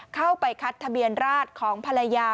เข้าไปคัดทะเบียนราชของภรรยา